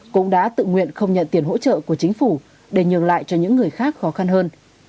cũng đã tự nguyện không nhận tiền hỗ trợ của chính phủ để nhường lại cho những người khác khó khăn hơn